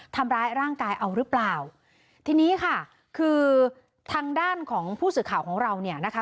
ทำร้ายร่างกายเอาหรือเปล่าทีนี้ค่ะคือทางด้านของผู้สื่อข่าวของเราเนี่ยนะคะ